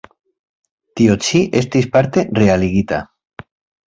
Tio ĉi estis parte realigita.